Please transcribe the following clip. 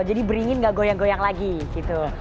jadi beringin gak goyang goyang lagi gitu